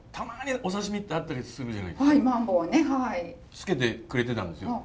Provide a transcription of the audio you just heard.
つけてくれてたんですよ。